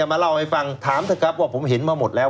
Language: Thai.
มาเล่าให้ฟังถามเถอะครับว่าผมเห็นมาหมดแล้ว